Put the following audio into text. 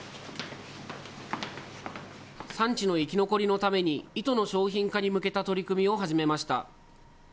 産地の生き残りのために、糸の商品化に向けた取り組みを始めました。